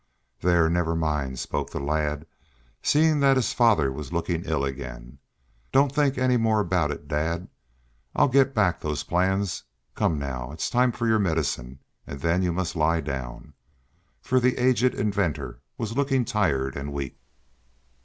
"There, never mind!" spoke the lad, seeing that his father was looking ill again. "Don't think any more about it, dad. I'll get back those plans. Come, now. It's time for your medicine, and then you must lie down." For the aged inventor was looking tired and weak.